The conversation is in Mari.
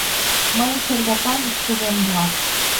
— Мыйын шергакан икшывем-влак!